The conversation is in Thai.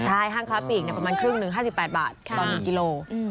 ใช่ห้างค้าผลิตเนี่ยประมาณครึ่งหนึ่ง๕๘บาทตอน๑กิโล